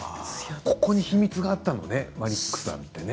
ここに秘密があったのねマリックさんってね。